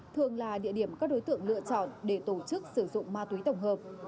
thường là địa điểm các đối tượng lựa chọn để tổ chức sử dụng ma túy tổng hợp